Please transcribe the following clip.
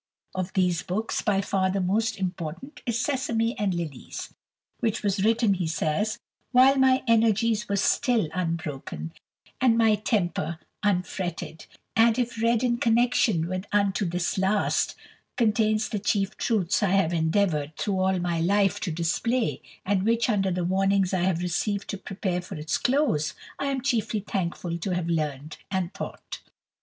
Of these books, by far the most important is "Sesame and Lilies," which was written, he says, "while my energies were still unbroken and my temper unfretted, and if read in connection with 'Unto this Last,' contains the chief truths I have endeavoured through all my life to display, and which, under the warnings I have received to prepare for its close, I am chiefly thankful to have learnt and taught."